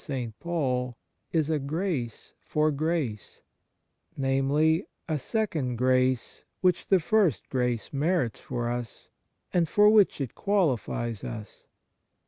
THE MARVELS OF DIVINE GRACE St. Paul, is a " grace for grace " namely, a second grace which the first grace merits for us, and for which it qualifies us.